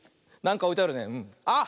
あっ！